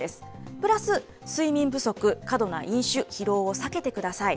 プラス睡眠不足、過度な飲酒、疲労を避けてください。